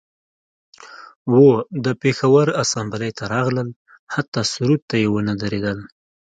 و د پیښور اسامبلۍ ته راغلل حتی سرود ته یې ونه دریدل